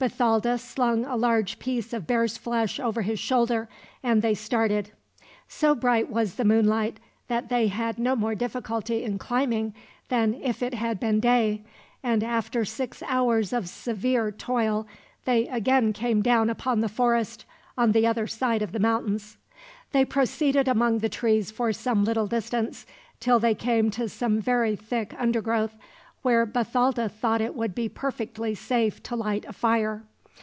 Bathalda slung a large piece of bear's flesh over his shoulder, and they started. So bright was the moonlight that they had no more difficulty in climbing than if it had been day, and after six hours of severe toil they again came down upon the forest, on the other side of the mountains. They proceeded among the trees for some little distance, till they came to some very thick undergrowth, where Bathalda thought it would be perfectly safe to light a fire.